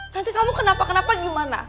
nanti kamu kenapa kenapa gimana